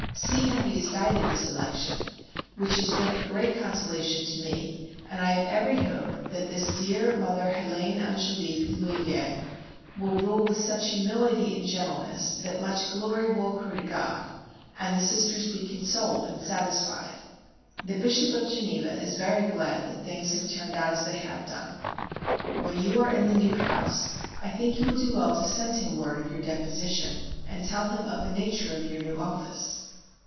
See how He has guided this election, which has been a great consolation to me, and I have every hope that this dear Mother Hélène Angelique (L'huillier) will rule with such humility and gentleness that much glory will accrue to God, and the Sisters be consoled and satisfied. The Bishop of Geneva is very glad that things have turned out as they have done. When you are in the new house I think you will do well to send him word of your deposition and tell him of the nature of your new office.